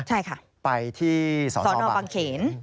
ใช่ค่ะสอนอบังเข็นไปที่สอนอบังเข็น